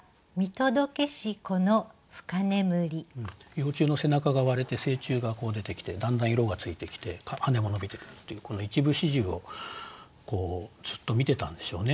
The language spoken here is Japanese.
幼虫の背中が割れて成虫が出てきてだんだん色がついてきて羽も伸びてくるっていうこの一部始終をずっと見てたんでしょうね。